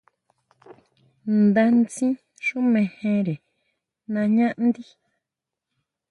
Ndá ntsín xú mejere nañá ndí.